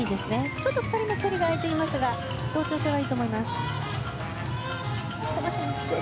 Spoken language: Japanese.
ちょっと２人の距離は空いていますが同調性はいいと思います。